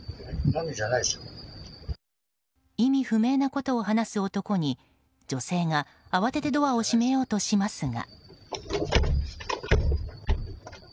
意味不明なことを話す男に女性が慌ててドアを閉めようとしますが。